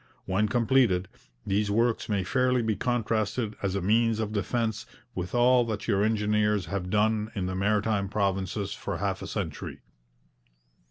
When completed, these works may fairly be contrasted as a means of defence with all that your engineers have done in the Maritime Provinces for half a century.'